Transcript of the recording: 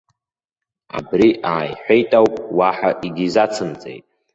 Абри ааиҳәеит ауп, уаҳа егьизацымҵеит.